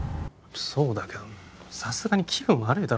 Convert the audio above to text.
そうだけどさすがに気分悪いだろ